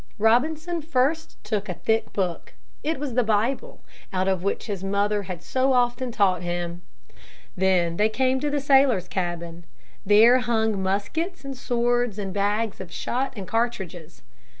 Robinson first took a thick book. It was the Bible, out of which his mother had so often taught him. Then they came to the sailors' cabin. There hung muskets and swords and bags of shot and cartridges.